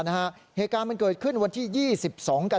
แล้วก็เรียกเพื่อนมาอีก๓ลำ